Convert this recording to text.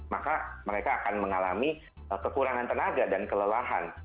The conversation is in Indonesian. maka mereka akan mengalami kekurangan tenaga dan kelelahan